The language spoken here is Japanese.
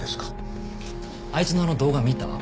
あいつのあの動画見た？